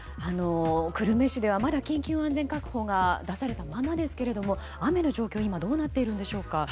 久留米市ではまだ緊急安全確保が出されたままですけども今、雨の状況はどうなっているんでしょうか。